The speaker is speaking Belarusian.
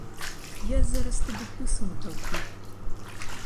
Я зараз табе пысу натаўку!